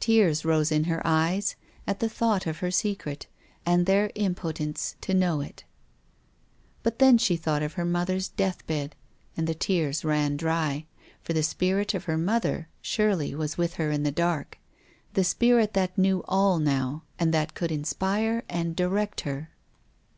Tears rose in her eyes at the thought of her secret and their impotence to know it. But then she thought of her mother's death bed and the tears ran dry. For the spirit of her mother surely was with her in the dark, the spirit that knew all now and that could inspire and direct her.